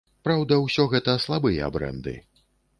Праўда, усё гэта слабыя брэнды.